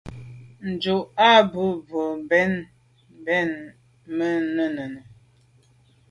Ndù à ba mbwon mbèn mbe mènnenùne.